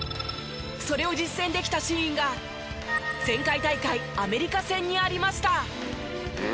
それを実践できたシーンが前回大会アメリカ戦にありました。